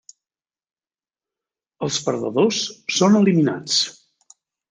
Els perdedors són eliminats.